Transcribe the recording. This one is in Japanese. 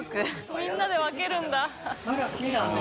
みんなで分けるんだ。